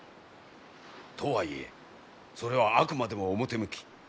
とはいえそれはあくまでも表向き。